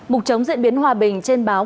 mục chống diễn biến hòa bình trên báo